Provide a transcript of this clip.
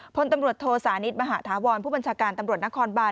พลตำรวจโทสานิทมหาธาวรผู้บัญชาการตำรวจนครบาน